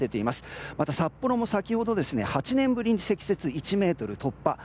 また、札幌も先ほど８年ぶりに積雪１ｍを突破。